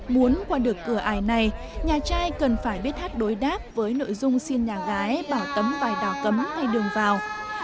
muốn qua được cửa ải này nhà trai cần phải biết hát đối đáp với nội dung xin nhà gái bảo tấm vải đỏ cấm hay đường vào